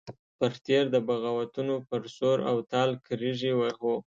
پر تېر د بغاوتونو پر سور او تال کرېږې وهو.